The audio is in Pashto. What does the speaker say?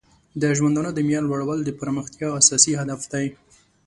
د ژوندانه د معیار لوړول د پرمختیا اساسي هدف دی.